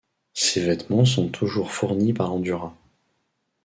Ces vêtements sont toujours fournis par Endura.